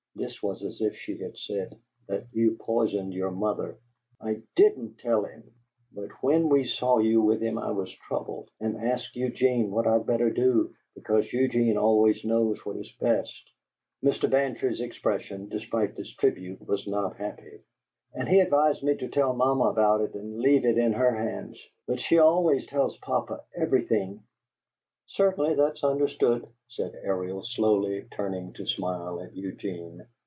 (This was as if she had said, "That you poisoned your mother.") "I DIDN'T tell him, but when we saw you with him I was troubled, and asked Eugene what I'd better do, because Eugene always knows what is best." (Mr. Bantry's expression, despite this tribute, was not happy.) "And he advised me to tell mamma about it and leave it in her hands. But she always tells papa everything " "Certainly; that is understood," said Ariel, slowly, turning to smile at Eugene.